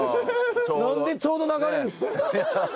なんでちょうど流れる。